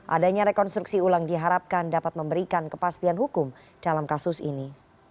adanya rekonstruksi ulang diharapkan dapat memberikan kepastian hukum dalam kasus ini